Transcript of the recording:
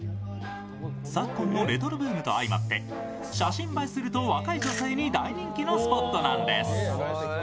昨今のレトロブームと相まって写真映えすると若い女性に大人気のスポットなんです。